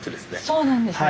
そうなんですね。